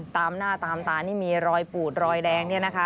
ตามหน้าตามตานี่มีรอยปูดรอยแดงเนี่ยนะคะ